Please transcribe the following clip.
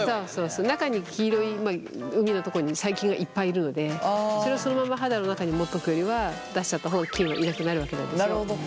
中に黄色い膿のとこに細菌がいっぱいいるのでそれをそのまま肌の中に持っとくよりは出しちゃった方が菌はいなくなるわけなんですよ。